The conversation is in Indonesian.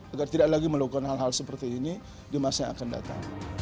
agar tidak lagi melakukan hal hal seperti ini di masa yang akan datang